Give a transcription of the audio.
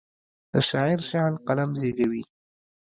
د شاعر شعر قلم زیږوي.